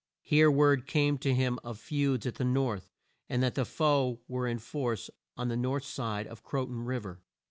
Here word came to him of feuds at the North, and that the foe were in force on the north side of Cro ton Riv er.